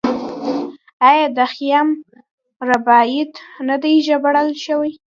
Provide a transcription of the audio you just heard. آیا د خیام رباعیات نه دي ژباړل شوي؟